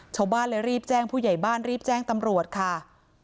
ชาวบ้านเลยรีบแจ้งผู้ใหญ่บ้านรีบแจ้งตำรวจค่ะ